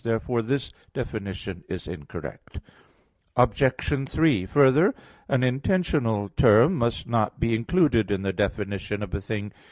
Therefore this definition is incorrect. Obj. 3: Further, an intentional term must not be included in the definition of a thing.